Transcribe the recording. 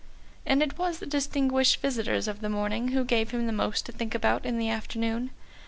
And it was the distinguished visitors of the morning who gave him most to think about in the afternoon.